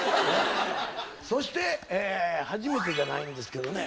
そして初めてじゃないんですけどね。